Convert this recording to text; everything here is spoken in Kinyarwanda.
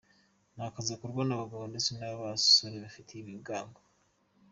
Ni akazi gakorwa n’abagabo ndetse n’abasore bafite ibigango.